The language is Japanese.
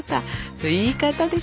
それ言い方でしょ。